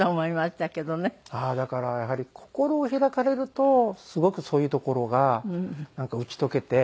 ああーだからやはり心を開かれるとすごくそういうところが打ち解けて。